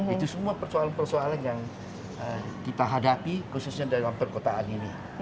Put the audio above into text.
itu semua persoalan persoalan yang kita hadapi khususnya dalam perkotaan ini